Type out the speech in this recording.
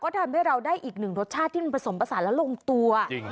ทำให้เราได้อีกหนึ่งรสชาติที่มันผสมผสานแล้วลงตัวจริง